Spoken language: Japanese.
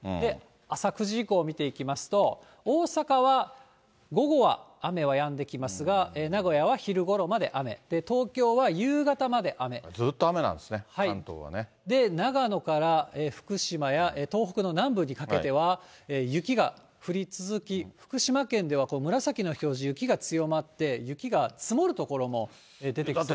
朝９時以降を見ていきますと、大阪は午後は雨はやんできますが、名古屋は昼ごろまで雨、ずっと雨なんですね、長野から福島や東北の南部にかけては、雪が降り続き、福島県では紫の表示、雪が強まって、雪が積もる所も出てきそうです。